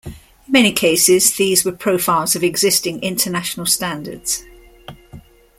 In many cases these were profiles of existing international standards.